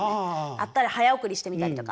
あったら早送りしてみたりとか。